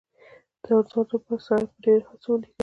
د ارزونې لپاره سړی په ډېرو هڅو ولیکي.